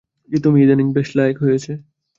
জিতু মিয়া ইদানীং বেশ লায়েক হয়েছে।